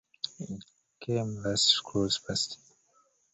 It came last scrolls past.